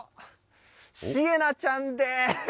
しえなちゃんでーす。